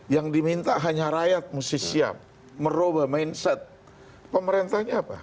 yang diminta hanya rakyat mesti siap merubah mindset pemerintahnya apa